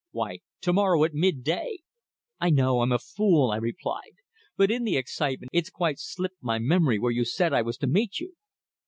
Why, to morrow at midday." "I know I'm a fool," I replied. "But in the excitement it's quite slipped my memory where you said I was to meet you."